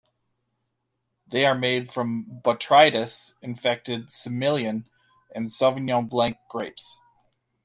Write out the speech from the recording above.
They are made from botrytis infected Semillon and Sauvignon blanc grapes.